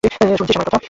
শুনছিস আমার কথা?